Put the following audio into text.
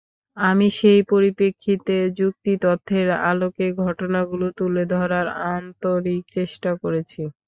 আমি সেই পরিপ্রেক্ষিতে যুক্তি-তথ্যের আলোকে ঘটনাগুলো তুলে ধরার আন্তরিক চেষ্টা করেছি।